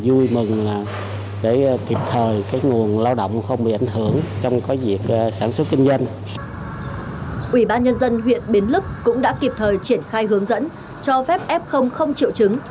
ủy ban nhân dân huyện bến lức cũng đã kịp thời triển khai hướng dẫn cho phép f không triệu chứng